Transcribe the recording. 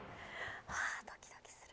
はぁドキドキする。